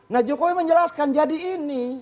nah jokowi menjelaskan jadi ini